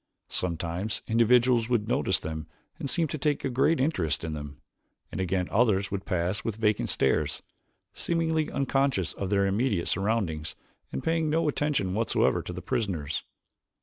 Sometimes individuals would notice them and seem to take a great interest in them, and again others would pass with vacant stares, seemingly unconscious of their immediate surroundings and paying no attention whatsoever to the prisoners.